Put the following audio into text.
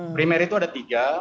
primer itu ada tiga